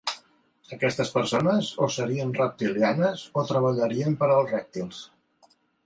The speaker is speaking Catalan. Aquestes persones o serien reptilianes o treballarien per als rèptils.